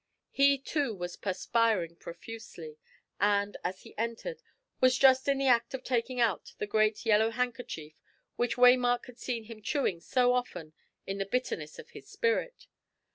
He, too, was perspiring profusely, and, as he entered, was just in the act of taking out the great yellow handkerchief which Waymark had seen him chewing so often in the bitterness of his spirit.